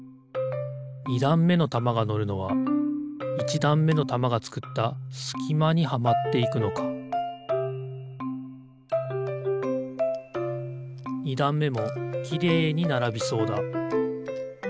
２だんめのたまがのるのは１だんめのたまがつくったすきまにはまっていくのか２だんめもきれいにならびそうだ。